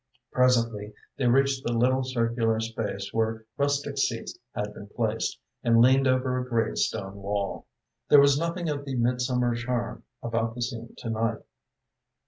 Presently they reached the little circular space where rustic seats had been placed, and leaned over a grey stone wall. There was nothing of the midsummer charm about the scene to night.